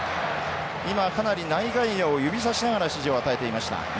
今かなり内外野を指さしながら指示を与えていました。